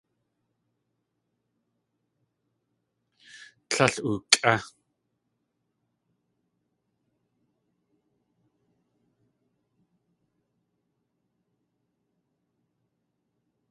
Tlél ukʼé.